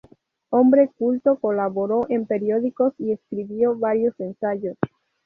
Hombre culto, colaboró en periódicos y escribió varios ensayos.